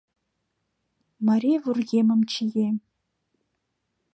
Марий вургемым чием